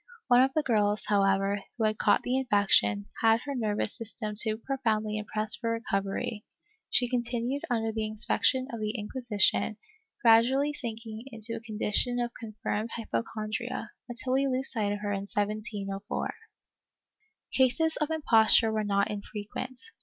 One of the girls, however, who had caught the infection, had her nervous system too pro foundly impressed for recovery; she continued under the inspec tion of the Inquisition, gradually sinking into a condition of confirmed hypochondria, until we lose sight of her in 1704.^ Cases of imposture were not infrequent.